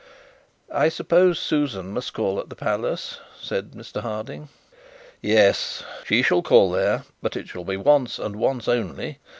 'I suppose Susan must call at the palace,' said Mr Harding. 'Yes, she shall call there; but it shall be once and once only.